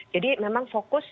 jadi memang fokus di ini